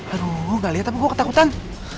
aduh ga liat tapi gue ketakutan